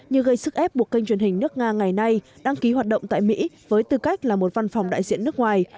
như gây sức ép buộc kênh truyền hình nước nga ngày nay đăng ký hoạt động tại mỹ với tư cách là một văn phòng đại diện nước ngoài